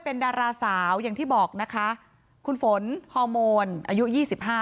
เป็นดาราสาวอย่างที่บอกนะคะคุณฝนฮอร์โมนอายุยี่สิบห้า